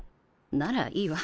ならいいわ。